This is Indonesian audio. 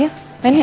yuk main yuk